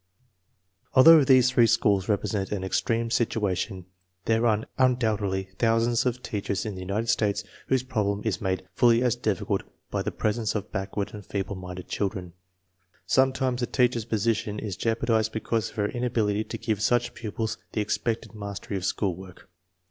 Although these three schools represent an extreme situation, there are undoubtedly thousands of teach ers in the United States whose problem is made fully as difficult by the presence of backward and feeble minded children. Sometimes the teacher's position is jeopardized because of her inability to give such pupils the expected mastery of school work.